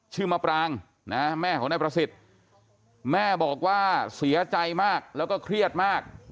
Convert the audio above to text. มะปรางนะแม่ของนายประสิทธิ์แม่บอกว่าเสียใจมากแล้วก็เครียดมาก